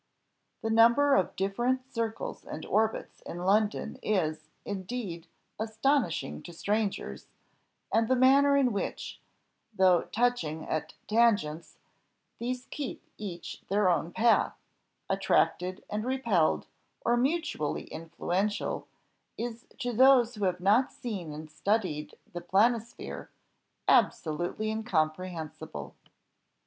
The number of different circles and orbits in London is, indeed, astonishing to strangers, and the manner in which, though touching at tangents, these keep each their own path, attracted and repelled, or mutually influential, is to those who have not seen and studied the planisphere, absolutely incomprehensible.